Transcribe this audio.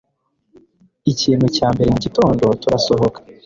Ikintu cya mbere mugitondo turasohoka